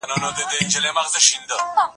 په خپله ژبه او کلتور وياړ وکړئ.